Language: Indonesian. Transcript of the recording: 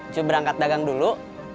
coba berangkat dagang dulu